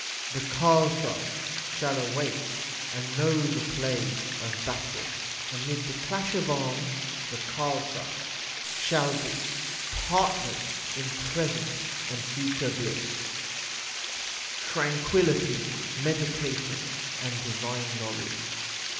The Khalsa shall then awake, and know the play of battle. . Amid the clash of arms the Khalsa PREFACE xix shall be partners in present and future bliss, tran quillity, meditation, and divine knowledge.